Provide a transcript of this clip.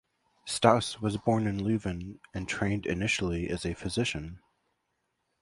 Stas was born in Leuven and trained initially as a physician.